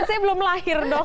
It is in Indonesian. saya belum lahir dong